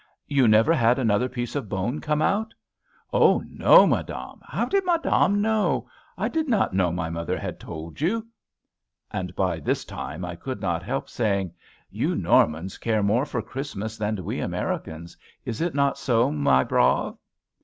"You never had another piece of bone come out?" "Oh, no, madame! how did madame know? I did not know my mother had told you!" And by this time I could not help saying, "You Normans care more for Christmas than we Americans; is it not so, my brave?"